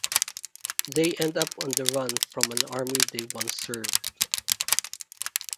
They end up on the run from an army they once served.